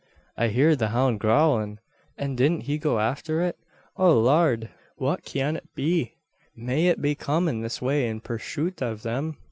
I heerd the hound gowlin, an didn't he go afther it. O Lard! what cyan it be? May be it'll be comin' this way in purshoot av them?"